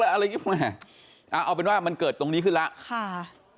เอาเป็นว่ามันเกิดตรงนี้ขึ้นแล้ว